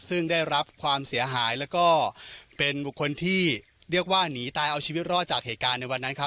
ซึ่งได้รับความเสียหายแล้วก็เป็นบุคคลที่เรียกว่าหนีตายเอาชีวิตรอดจากเหตุการณ์ในวันนั้นครับ